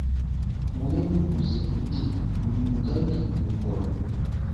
Weebuuze nti buli mugagga mulokole ?